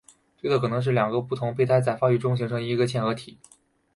推测可能是两个不同胚胎在发育中形成一个嵌合体。